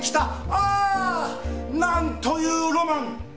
ああなんというロマン！